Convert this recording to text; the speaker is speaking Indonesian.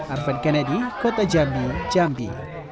arven kennedy kota jambi jambi